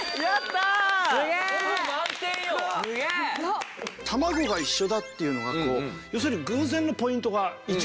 たまごが一緒だっていうのがこう要するに偶然のポイントが１ポイント。